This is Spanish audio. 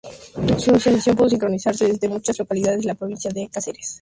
Sus emisión pudo sintonizarse desde muchas localidades de la provincia de Cáceres.